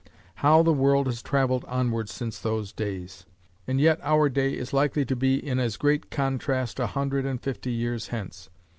How the world has travelled onward since those days! and yet our day is likely to be in as great contrast a hundred and fifty years hence.